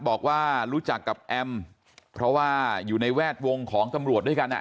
บอกว่ารู้จักกับแอมเพราะว่าอยู่ในแวดวงของตำรวจด้วยกันอ่ะ